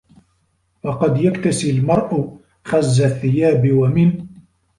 وَقَدْ يَكْتَسِي الْمَرْءُ خَزَّ الثِّيَابِ وَمِنْ